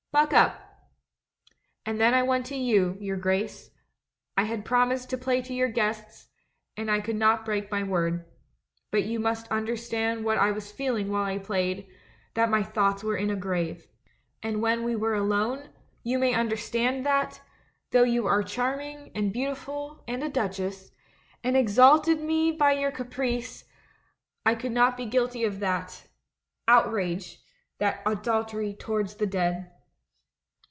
Buck up !' "And then I went to you, your Grace; I had promised to play to your guests, and I could not break my word. But you may understand what I was feeling while I played — that my thoughts were in a grave. And when we were alone, you may understand that, though you are charming, and beautiful, and a duchess, and exalted me by your caprice, I could not be guilty of that — out rage, that adultery towards the dead.